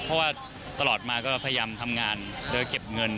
เพราะว่าตลอดมาก็พยายามทำงานโดยเก็บเงิน